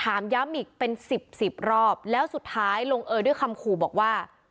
ถามย้ำอีกเป็นสิบสิบรอบแล้วสุดท้ายลงเอยด้วยคำขู่บอกว่า